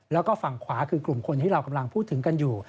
แล้วก็ฝั่งขวาคือกลุ่มคนที่เรากำลังพูดถึงกันอยู่